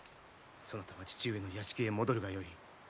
そなたは父上の屋敷へ戻るがよい。